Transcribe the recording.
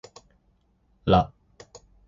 ら